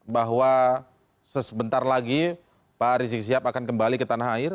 bahwa sebentar lagi pak rizik sihab akan kembali ke tanah air